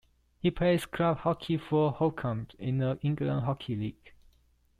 He plays club hockey for Holcombe in the England Hockey League.